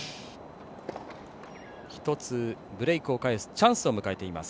１つブレークを返すチャンスを迎えています。